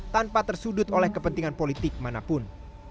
tanpa tersudut oleh kepentingan politik manapun